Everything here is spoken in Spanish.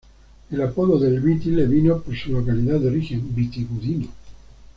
El apodo de "El Viti" le vino por su localidad de origen, Vitigudino.